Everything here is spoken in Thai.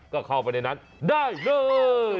ก็เข้าไปในนั้นได้เลย